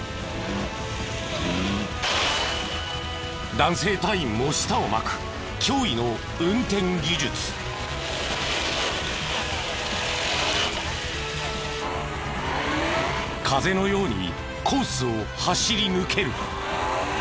男性隊員も舌を巻く風のようにコースを走り抜ける。